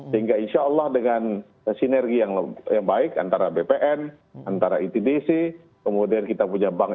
sehingga insya allah dengan sinergi yang baik antara bpn antara itdc kemudian kita punya bank